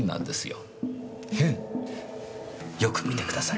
よく見てください。